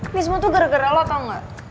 ini semua tuh gara gara lo tau gak